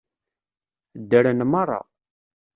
Ddren meṛṛa.